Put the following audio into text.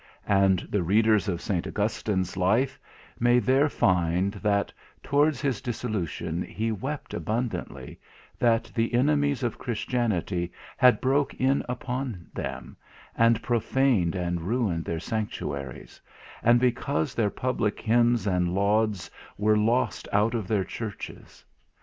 And the reader of St. Augustine's life may there find, that towards his dissolution he wept abundantly, that the enemies of Christianity had broke in upon them, and profaned and ruined their sanctuaries, and because their public hymns and lauds were lost out of their Churches.